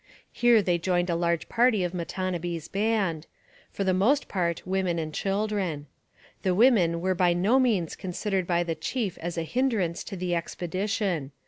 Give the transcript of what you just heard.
Here they joined a large party of Matonabbee's band, for the most part women and children. The women were by no means considered by the chief as a hindrance to the expedition.